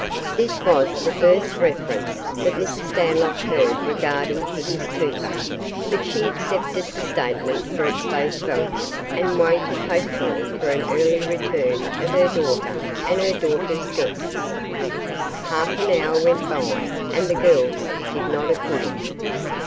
This was the first reference that Mrs. Stanlock heard regarding Kittie's toothache, but she accepted the statement for its face value and waited hopefully for an early return of her daughter and her daughter's guests. Half an hour went by and the girls did not appear.